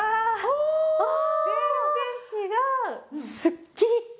全然違う！